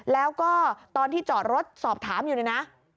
แล้วก็ตอนที่จอดรถสอบถามอยู่เนี่ยนะ